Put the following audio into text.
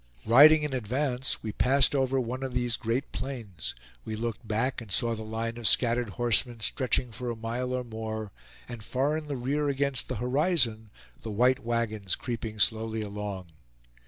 Riding in advance, we passed over one of these great plains; we looked back and saw the line of scattered horsemen stretching for a mile or more; and far in the rear against the horizon, the white wagons creeping slowly along.